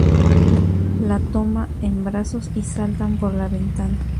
La toma en brazos y saltan por la ventana.